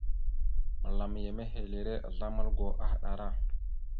Məlam ya mehelire azlam algo ahəɗara.